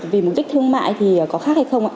vì mục đích thương mại thì có khác hay không ạ